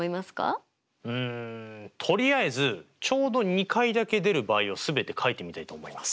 うんとりあえずちょうど２回だけ出る場合を全て書いてみたいと思います。